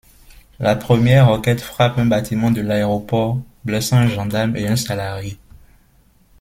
La première roquette frappe un bâtiment de l'aéroport blessant un gendarme et un salarié.